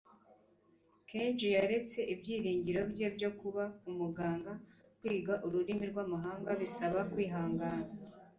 Kenji yaretse ibyiringiro bye byo kuba umuganga. Kwiga ururimi rwamahanga bisaba kwihangana